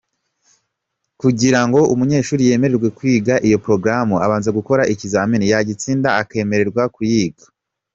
Kugira ngo umunyeshuri yemererwe kwiga iyo porogaramu abanza gukora ikizamini, yagitsinda akemererwa kuyiga.